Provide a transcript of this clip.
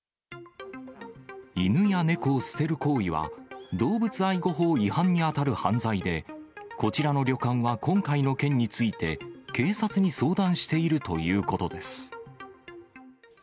犬や猫を捨てる行為は、動物愛護法違反に当たる犯罪で、こちらの旅館は今回の件について、警察に相談しているということです。